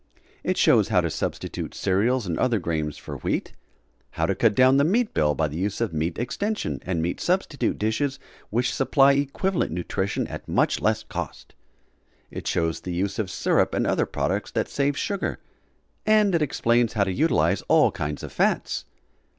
It shows how to substitute cereals and other grains for wheat, how to cut down the meat bill by the use of meat extension and meat substitute dishes which supply equivalent nutrition at much less cost; it shows the use of syrup and other products that save sugar, and it explains how to utilize all kinds of fats.